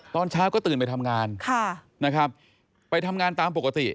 ตอนเช้าก็ตื่นไปทำงานนะครับไปทำงานตามปกติ